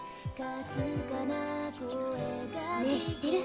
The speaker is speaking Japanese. ねえ知ってる？